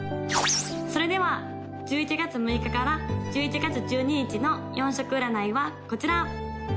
・それでは１１月６日から１１月１２日の４色占いはこちら！